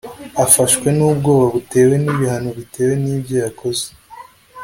afashwe n'ubwoba butewe n'ibihano bitewe n'ibyo yakoze